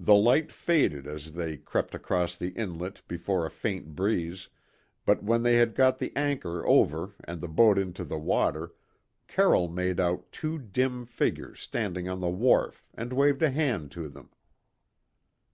The light faded as they crept across the inlet before a faint breeze, but when they had got the anchor over and the boat into the water, Carroll made out two dim figures standing on the wharf and waved a hand to them.